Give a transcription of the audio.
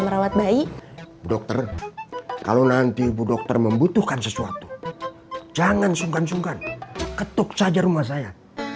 merawat bayi dokter kalau nanti bu dokter membutuhkan sesuatu jangan sungkan sungkan ketuk saja rumah saya